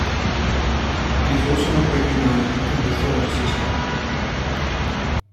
It also is not recognized in the Thorne system.